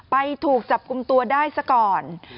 ถูกจับกลุ่มตัวได้ซะก่อน